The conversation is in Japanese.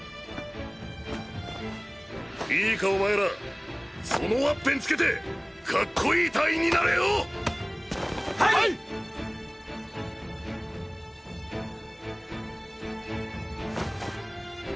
いいかお前らそのワッペンつけてカッコいい隊員になれよ！はいっ！